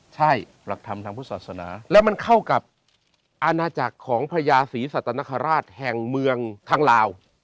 ใช่หลักธรรมทางพุทธศาสนาแล้วมันเข้ากับอาณาจักรของพญาศรีสัตนคราชแห่งเมืองทางลาว